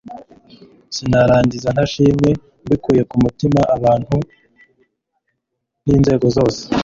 sinarangiza ntashimiye mbikuye ku mutima abantu n'inzego zose